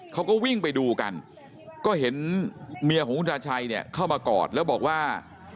เขาก็วิ่งไปดูกันก็เห็นเมียของคุณทาชัยเนี่ยเข้ามากอดแล้วบอกว่า